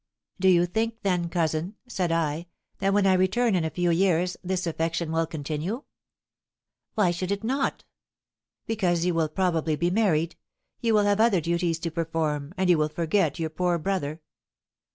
"Do you think then, cousin," said I, "that when I return in a few years this affection will continue?" "Why should it not?" "Because you will be probably married; you will have other duties to perform, and you will forget your poor brother."